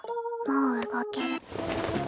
もう動ける。